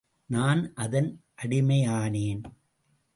நான் அதன் அடிமையானேன்.